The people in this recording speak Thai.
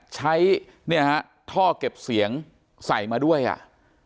ใช้เนี่ยฮะท่อเก็บเสียงใส่มาด้วยอ่ะ